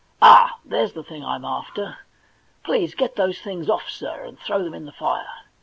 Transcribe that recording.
All, here's the thing I'm after. Please get those things off, sir, and throw them in the fire.